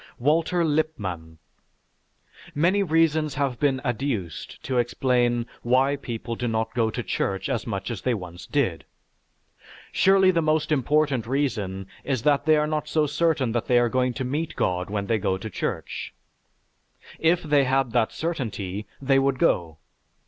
WALTER LIPPMANN Many reasons have been adduced to explain why people do not go to church as much as they once did. Surely the most important reason is that they are not so certain that they are going to meet God when they go to church. If they had that certainty they would go.